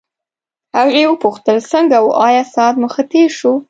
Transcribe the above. هغې وپوښتل څنګه وو آیا ساعت مو ښه تېر شو.